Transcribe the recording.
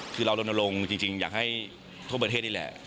คือเราลนลงจริงอยากให้ทั่วประเทศนี่แหละ